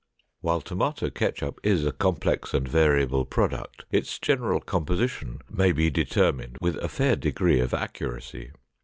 While tomato ketchup is a complex and variable product, its general composition may be determined with a fair degree of accuracy.